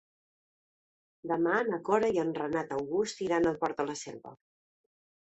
Demà na Cora i en Renat August iran al Port de la Selva.